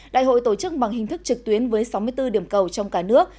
đại hội tổ chức bằng hình thức trực tuyến với sáu mươi bốn điểm cầu trong cả nước